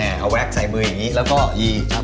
เอาแว๊กสายมืออย่างนี้แล้วก็ยี่